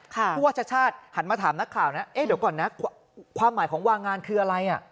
ผู้ว่าชาติชาติหันมาถามนักข่าวนะเอ๊ะเดี๋ยวก่อนนะความหมายของวางงานคืออะไร